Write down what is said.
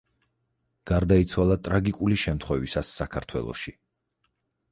გარდაიცვალა ტრაგიკული შემთხვევისას საქართველოში.